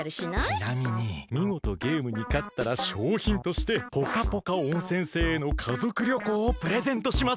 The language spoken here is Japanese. ちなみにみごとゲームにかったらしょうひんとしてポカポカ温泉星への家族旅行をプレゼントします。